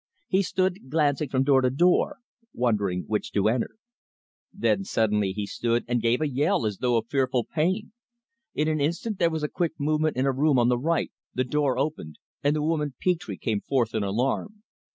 He stood glancing from door to door, wondering which to enter. Then suddenly he stood and gave a yell as though of fearful pain. In an instant there was a quick movement in a room on the right, the door opened and the woman Petre came forth in alarm.